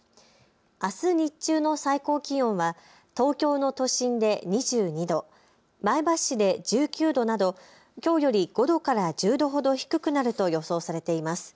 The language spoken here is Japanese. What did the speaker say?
あす日中の最高気温は東京の都心で２２度、前橋市で１９度などきょうより５度から１０度ほど低くなると予想されています。